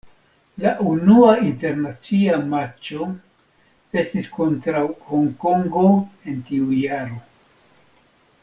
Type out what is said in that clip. La unua internacia matĉo estis kontraŭ Honkongo en tiu jaro.